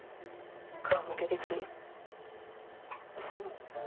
顔向けできん。